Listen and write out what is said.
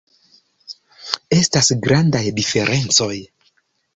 Estas grandaj diferencoj.